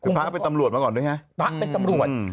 คือพระเข้าไปตำรวจมาก่อนด้วยไหมเป็นตำรวจ